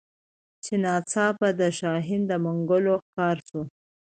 چي ناڅاپه د شاهین د منګول ښکار سو